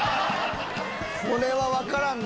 これはわからんね。